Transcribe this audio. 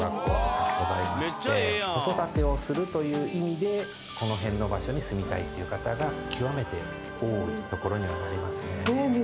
子育てをするという意味でこの辺の場所に住みたい方が極めて多い所にはなりますね。